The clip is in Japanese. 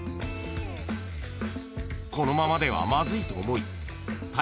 ［このままではまずいと思い］